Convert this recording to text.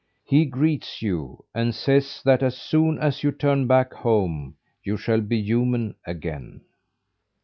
He greets you, and says, that as soon as you turn back home, you shall be human again."